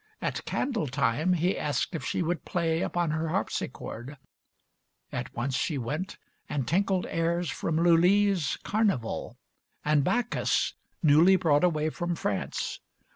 At candle time, he asked if she would play Upon her harpsichord, at once she went And tinkled airs from Lully's 'Carnival' And 'Bacchus', newly brought away from France.